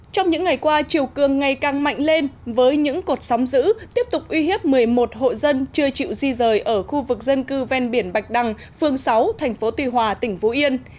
trong những ngày qua chiều cường ngày càng mạnh lên với những cột sóng giữ tiếp tục uy hiếp một mươi một hộ dân chưa chịu di rời ở khu vực dân cư ven biển bạch đằng phương sáu thành phố tuy hòa tỉnh phú yên